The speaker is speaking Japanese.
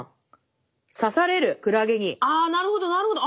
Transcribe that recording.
あなるほどなるほど。